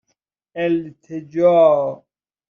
اِلتِجا